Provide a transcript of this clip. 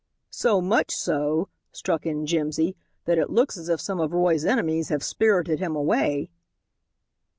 "So much so," struck in Jimsy, "that it looks as if some of Roy's enemies have spirited him away."